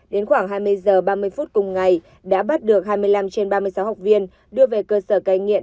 đến khoảng hai mươi h ba mươi phút cùng ngày đã bắt được hai mươi năm trên ba mươi sáu học viên đưa về cơ sở cai nghiện